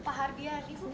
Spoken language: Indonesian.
pak hardian ibu